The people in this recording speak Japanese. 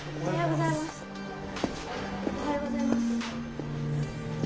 おはようございます。